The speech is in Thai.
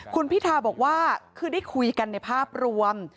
คุณพิทาบอกว่าคือได้คุยกันในภาพรวม